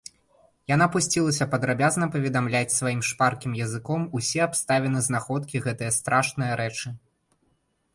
Яна пусцілася падрабязна паведамляць сваім шпаркім языком усе абставіны знаходкі гэтае страшнае рэчы.